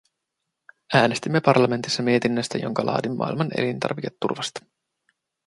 Äänestimme parlamentissa mietinnöstä, jonka laadin maailman elintarviketurvasta.